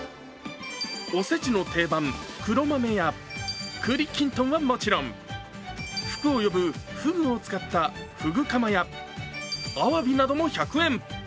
おせちの定番、黒豆や栗きんとんはもちろん、福を呼ぶふぐを使ったふぐ蒲やあわびなども１００円。